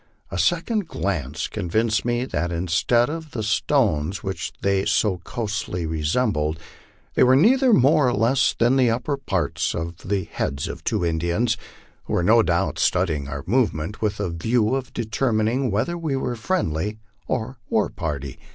A second glance convinced me that instead of the stones which they so closely resembled, they were neither more nor less than the upper parts of the heads of two Indians, who were no doubt studying our movements with a view of determining whether we were a friendly or war party.